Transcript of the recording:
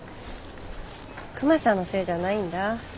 クマさんのせいじゃないんだ。